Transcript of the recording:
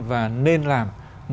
và nên làm